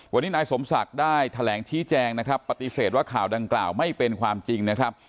วันนี้นายสมศักดิ์ได้แถลงชี้แจงนะครับปฏิเสธว่าข่าวดังกล่าวไม่เป็นความจริงนะครับ